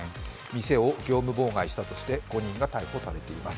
店を業務妨害したとして５人が逮捕されています。